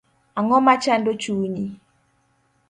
Ang'oma chando chunyi